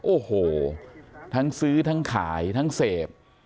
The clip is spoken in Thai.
โอ้โหทั้งซื้อทั้งขายทั้งเสพ